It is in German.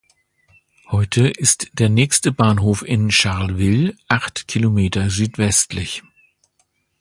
Heute ist der nächste Bahnhof in Charleville acht km südwestlich.